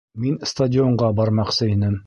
Мин стадионға бармаҡсы инем